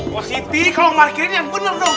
mas rikiti kalau markirin yang bener dong